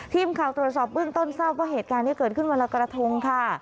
ทีมข่าวตรวจสอบเบื้องต้นทราบว่าเหตุการณ์ที่เกิดขึ้นวันละกระทงค่ะ